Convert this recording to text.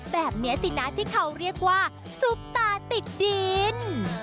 แบบนี้สินะที่เขาเรียกว่าซุปตาติดดิน